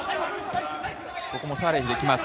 ここもサーレヒできます。